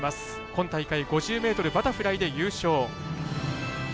今大会５０ｍバタフライで優勝。